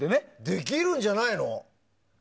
できるんじゃないの？